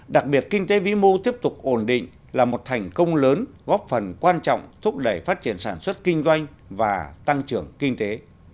đặc biệt kinh tế vĩ mô tiếp tục ổn định là một thành công lớn góp phần quan trọng thúc đẩy phát triển sản xuất kinh doanh và tăng trưởng kinh tế